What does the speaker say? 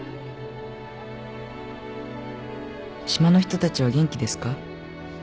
「島の人たちは元気ですか？